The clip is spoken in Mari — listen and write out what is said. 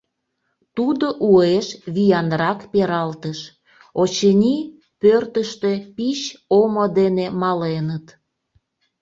Тудо уэш виянрак пералтыш — очыни, пӧртыштӧ пич омо дене маленыт.